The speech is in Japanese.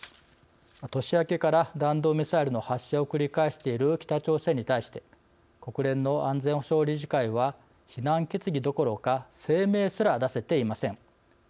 年明けから弾道ミサイルの発射を繰り返している北朝鮮に対して国連の安全保障理事会は非難決議どころか声明すら出せていません。